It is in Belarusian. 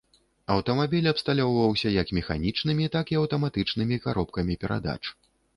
Аўтамабіль абсталёўваўся як механічнымі, так і аўтаматычнымі каробкамі перадач.